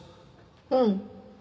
うん。